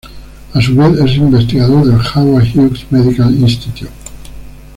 A su vez, es investigador del Howard Hughes Medical Institute.